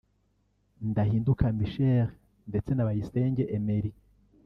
Ndahinduka Michel ndetse na Bayisenge Emery